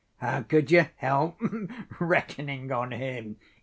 "How could you help reckoning on him?